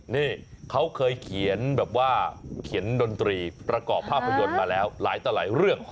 นี่เขาเคยเขียนแบบว่าเขียนดนตรีประกอบภาพยนตร์มาแล้วหลายต่อหลายเรื่อง